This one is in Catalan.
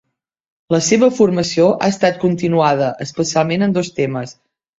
La seva formació ha estat continuada especialment en dos temes.